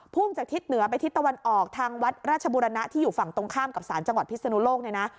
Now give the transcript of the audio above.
่งจากทิศเหนือไปทิศตะวันออกทางวัดราชบุรณะที่อยู่ฝั่งตรงข้ามกับสารจังหวัดพิศนุโลกเนี่ยนะ